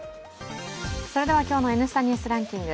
今日の「Ｎスタ・ニュースランキング」